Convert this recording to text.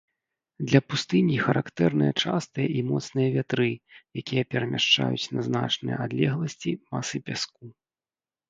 Для пустыні характэрныя частыя і моцныя вятры, якія перамяшчаюць на значныя адлегласці масы пяску.